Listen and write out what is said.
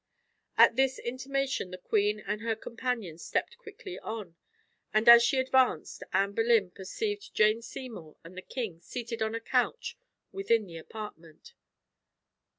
At this intimation the queen and her companion stepped quickly on, and as she advanced, Anne Boleyn perceived Jane Seymour and the king seated on a couch within the apartment.